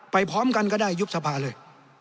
พร้อมกันก็ได้ยุบสภาเลย